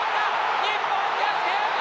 日本逆転。